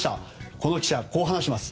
この記者、こう話しています。